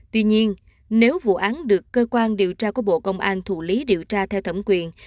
tuy nhiên nếu vụ án được cơ quan điều tra của bộ công an thụ lý điều tra theo thẩm quyền